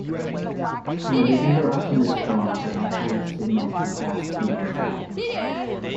When the interaction is strong, the microwave signal can pass through the material.